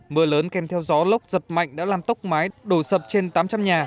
mưa lớn kèm theo gió lốc giật mạnh đã làm tốc mái đổ sập trên tám trăm linh nhà